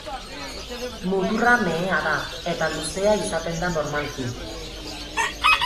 Muturra mehea da eta luzea izaten da normalki.